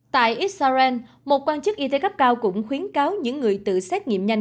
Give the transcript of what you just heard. tại israel một quan chức y tế cấp cao cũng khuyến cáo những người tự xét nghiệm nhanh